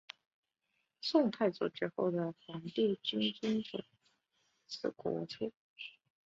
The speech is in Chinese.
宋太祖之后的皇帝均遵守此国策。